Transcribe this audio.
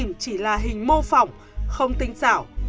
tiền giả có hình bóng chìm chỉ là hình mô phỏng không tinh xảo